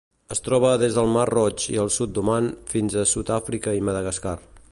Es troba des del Mar Roig i el sud d'Oman fins a Sud-àfrica i Madagascar.